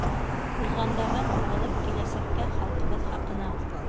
Уҙғандарҙан һуғылып киләсәккә, Халҡыбыҙ хаҡына